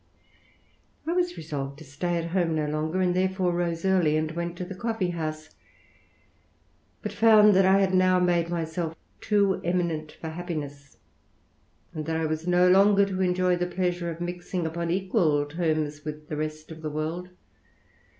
I was resolved to stay at home no longer, and therefore wse early and went to the coffee house ; but found that I ^d now made myself too eminent for happiness, and that I ''as no longer to enjoy the pleasure of mixing, upon equal terms, with the rest of the world.